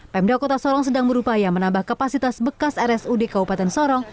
pemda kota sorong sedang berupaya menambah kapasitas bekas rsud kabupaten sorong